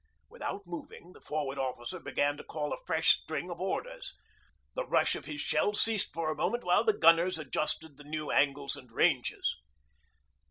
Without moving, the Forward Officer began to call a fresh string of orders. The rush of his shells ceased for a moment while the gunners adjusted the new angles and ranges.